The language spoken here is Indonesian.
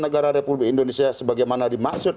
negara republik indonesia sebagaimana dimaksud